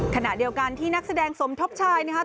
ขณะเดียวกันที่นักแสดงสมทบชายนะครับ